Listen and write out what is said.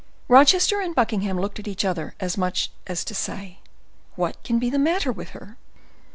Rochester and Buckingham looked at each other, as much as to say,—"What can be the matter with her?"